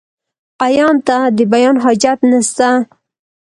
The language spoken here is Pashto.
عيان ته ، د بيان حاجت نسته.